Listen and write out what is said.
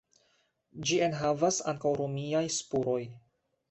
Ĝi enhavas ankaŭ romiajn spuroj.